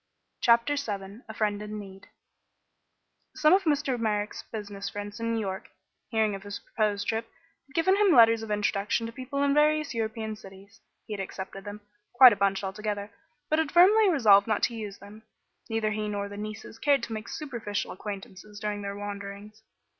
CHAPTER VII A FRIEND IN NEED Some of Mr. Merrick's business friends in New York, hearing of his proposed trip, had given him letters of introduction to people in various European cities. He had accepted them quite a bunch, altogether but had firmly resolved not to use them. Neither he nor the nieces cared to make superficial acquaintances during their wanderings.